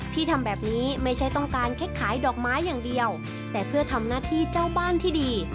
ทำแบบนี้ไม่ใช่ต้องการแค่ขายดอกไม้อย่างเดียวแต่เพื่อทำหน้าที่เจ้าบ้านที่ดี